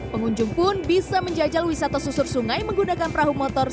pengunjung pun bisa menjajal wisata susur sungai menggunakan perahu motor